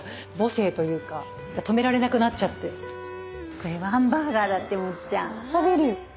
これワンバーガーだってもっちゃん食べる？